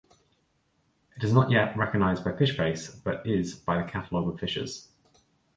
It is not yet recognised by Fishbase but is by the Catalog of Fishes.